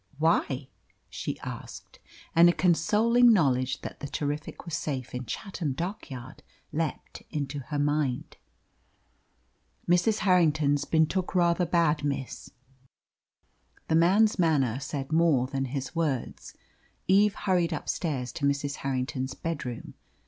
"Why?" she asked, and a consoling knowledge that the Terrific was safe in Chatham Dockyard leapt into her mind. "Mrs. Harrington's been took rather bad, miss." The man's manner said more than his words. Eve hurried upstairs to Mrs. Harrington's bedroom.